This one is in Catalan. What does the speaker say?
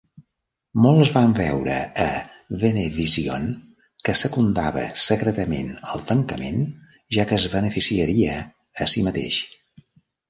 Molts van veure a Venevision que secundava secretament el tancament, ja que es beneficiaria a si mateix.